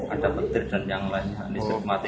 apa antisipasinya kalau listrik mati